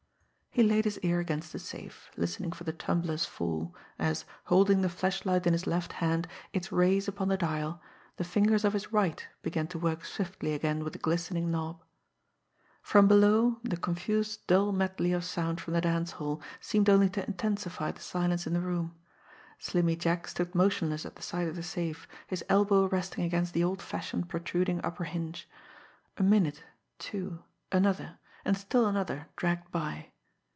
He laid his ear against the safe, listening for the tumblers' fall, as, holding the flashlight in his left hand, its rays upon the dial, the fingers of his right began to work swiftly again with the glistening knob. From below, the confused, dull medley of sound from the dance hall seemed only to intensify the silence in the room. Slimmy Jack stood motionless at the side of the safe, his elbow resting against the old fashioned, protruding upper hinge. A minute, two, another, and still another dragged by.